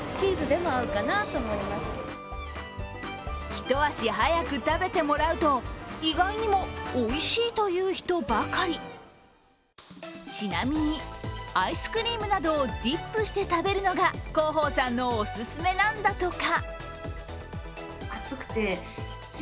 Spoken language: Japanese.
一足早く食べてもらうと意外にも、おいしいという人ばかりちなみにアイスクリームなどをディップして食べるのが広報さんのおすすめなんだとか。